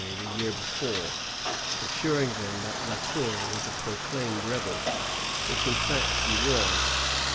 sent them by D'Aunaj the year before, assuring them that La Tour was a proclaimed rebel, which in fact he was.